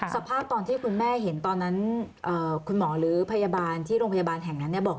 สภาพตอนที่คุณแม่เห็นตอนนั้นคุณหมอหรือพยาบาลที่โรงพยาบาลแห่งนั้นบอก